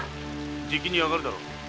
じきに上がるだろう。